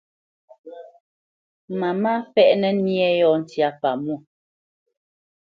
Mamá fɛ́ʼnǝ nyé yɔ̂ ntyá pamwô.